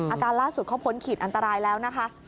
อาการล่าสุดเขาพ้นขีดอันตรายแล้วนะคะ